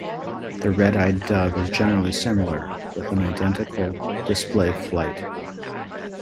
The red-eyed dove is generally similar with an identical display flight.